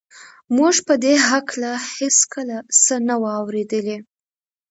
موږ په دې هکله هېڅکله څه نه وو اورېدلي